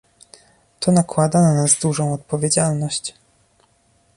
To nakłada na nas dużą odpowiedzialność